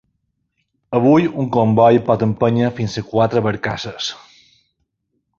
Avui un comboi pot empènyer fins a quatre barcasses.